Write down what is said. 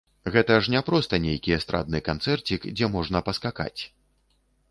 Гэта ж не проста нейкі эстрадны канцэрцік, дзе можна паскакаць!